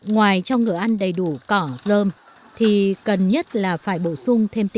ngoài cho ngựa ăn đầy đủ cỏ rơm